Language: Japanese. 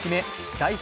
第１